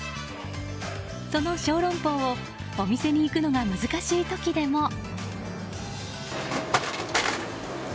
その小龍包をお店に行くのが難しい時でも。